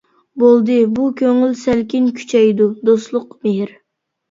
بولدى بۇ كۆڭۈل سەلكىن، كۈچەيدى دوستلۇق مېھىر.